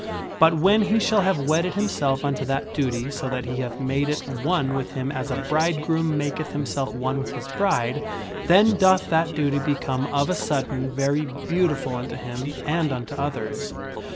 But when he shall have wedded himself unto that duty so that he hath made it one with him as a bridegroom maketh himself one with his bride, then doth that duty become of a sudden very beautiful unto him and unto others.